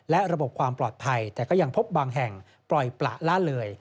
และระบบความปลอดภัยแต่ก็ยังพบบางแห่งปล่อยประละเลย